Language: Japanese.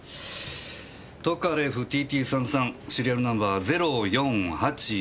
トカレフＴＴ−３３シリアルナンバー０４８４３２。